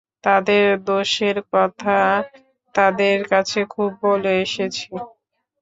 তাদের দোষের কথা তাদের কাছে খুব বলে এসেছি।